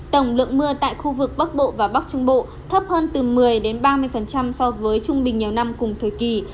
tổng lượng mưa tại khu vực bắc bộ và bắc trung bộ thấp hơn từ một mươi ba mươi so với trung bình nhiều năm cùng thời kỳ